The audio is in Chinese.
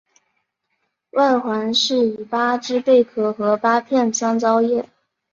外环饰以八只贝壳和八片香蕉叶。